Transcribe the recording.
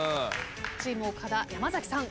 チーム岡田山崎さん。